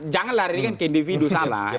jangan larikan ke individu salah